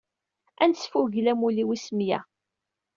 Ad nesfugel amulli wis meyya.